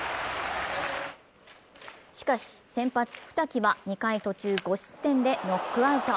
しかし、先発・二木は２回途中５失点でノックアウト。